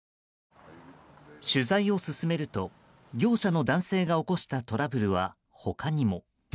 取材を進めると業者の男性が起こしたトラブルは他にも。